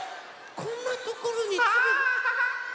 こんなところにつるが。